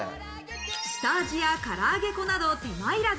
下味や、から揚げ粉などをつける手間いらず。